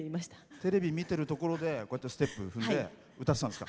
テレビ見てるところでステップ踏んで歌ってたんですか？